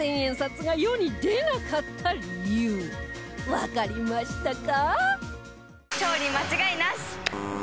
わかりましたか？